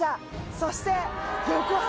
そして。